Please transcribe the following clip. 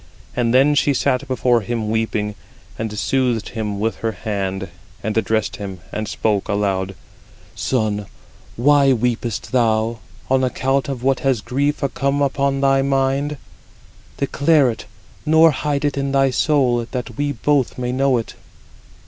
And then she sat before him weeping, and soothed him with her hand, and addressed him, and spoke aloud: "Son, why weepest thou—on account of what has grief come upon thy mind? Declare it, nor hide it in thy soul, that we both may know it."